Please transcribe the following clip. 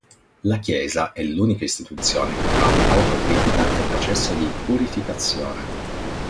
La Chiesa è l'unica istituzione che fa autocritica e processo di purificazione.